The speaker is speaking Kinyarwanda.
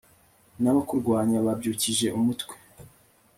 n'abakurwanya babyukije umutwe